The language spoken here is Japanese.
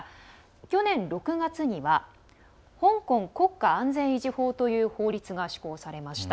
去年６月には香港国家安全維持法という法律が施行されました。